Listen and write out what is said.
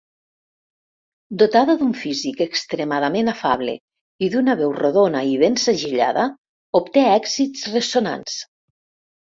Dotada d'un físic extremadament afable i d'una veu rodona i ben segellada, obté èxits ressonants.